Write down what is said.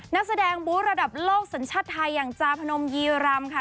นักแสดงบูธระดับโลกสัญชาติไทยอย่างจาพนมยีรำค่ะ